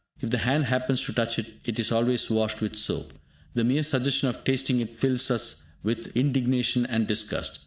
If the hand happens to touch it, it is always washed with soap. The mere suggestion of tasting it fills us with indignation and disgust.